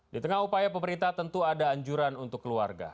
di tengah upaya pemerintah tentu ada anjuran untuk keluarga